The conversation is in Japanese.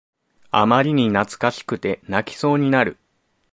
あまりに懐かしくて泣きそうになる